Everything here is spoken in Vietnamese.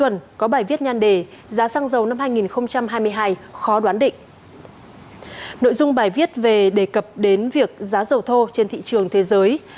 nội dung bài viết về đề cập đến việc giá dầu thô trên thị trường thế giới